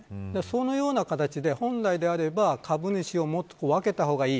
そのような形で、本来であれば株主を分けた方がいい。